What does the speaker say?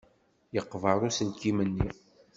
Yeqber uselkim-nni.